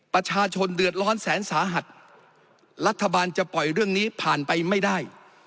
ประชาชนเดือดร้อนแสนสาหัสรัฐบาลจะปล่อยเรื่องนี้ผ่านไปไม่ได้